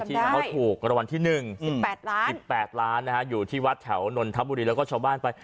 ที่เขาถูกกรวรรณที่๑๑๘ล้านอยู่ที่วัดแถวนนทัพบุรีแล้วก็ชาวบ้านไป